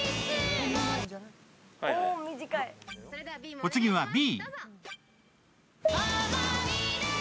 お次はＢ。